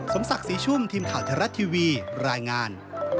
สมศักดิ์ศรีชุ่มทีมข่าวไทยรัฐทีวีรายงาน